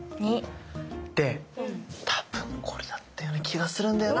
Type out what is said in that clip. で多分これだったような気がするんだよな。